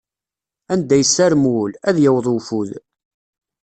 Anda yessarem wul, ad yaweḍ ufud.